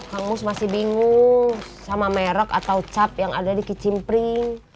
hangus masih bingung sama merek atau cap yang ada di kicimpring